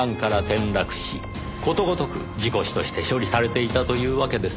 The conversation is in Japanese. ことごとく事故死として処理されていたというわけです。